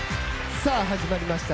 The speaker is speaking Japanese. さぁ始まりました